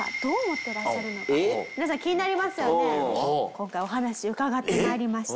今回お話伺って参りました。